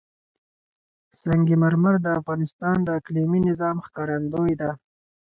سنگ مرمر د افغانستان د اقلیمي نظام ښکارندوی ده.